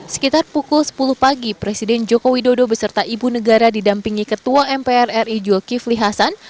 sekitar pukul sepuluh pagi presiden joko widodo beserta ibu negara didampingi ketua mpr ri julki fli hasan